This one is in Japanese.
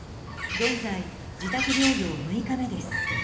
現在、自宅療養６日目です。